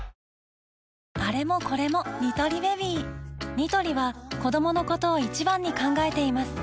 ニトリは子どものことを一番に考えています